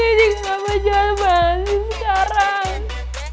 aku juga gak bercobaan banget sekarang